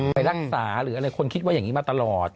ไปรักษาหรืออะไรคนคิดว่าอย่างนี้มาตลอด